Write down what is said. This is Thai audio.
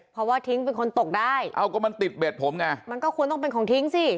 เพราะว่าทิ้งเป็นคนตกได้เอ้าก็มันติดเบ็ดผมไงมันก็ควรต้องเป็นของทิ้งสิ